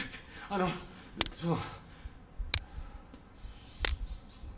あのその。